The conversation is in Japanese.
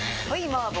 麻婆！